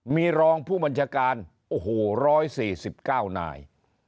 มีรองผู้บัญชาการโอ้โห๑๔๙นาย